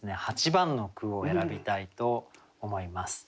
８番の句を選びたいと思います。